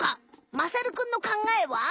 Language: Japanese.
まさるくんの考えは？